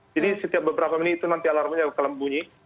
jadi setiap beberapa menit itu nanti alarmnya akan bunyi